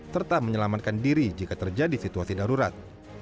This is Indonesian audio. serta menyelamatkan diri jika terjadi situasi darurat